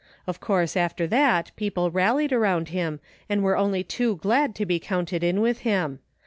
Of course after that people rallied around him and were only too glad to be counted in with him.